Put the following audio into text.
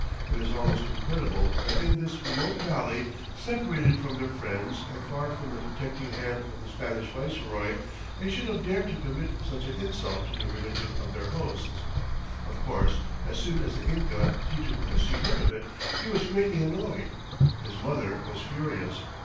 It is almost incredible that in this remote valley, separated from their friends and far from the protecting hand of the Spanish viceroy, they should have dared to commit such an insult to the religion of their hosts. Of course, as soon as the Inca Titu Cusi heard of it, he was greatly annoyed. His mother was furious.